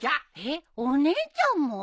えっお姉ちゃんも？